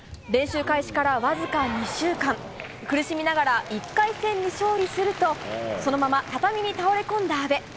練習開始からわずか２週間苦しみながら１回戦に勝利するとそのまま畳に倒れ込んだ阿部。